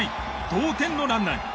同点のランナーに。